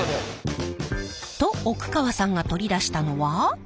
と奥川さんが取り出したのは。